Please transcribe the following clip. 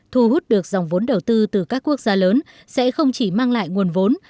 thu hút được dòng vốn đầu tư từ các quốc gia lớn sẽ không chỉ mang lại nguồn vốn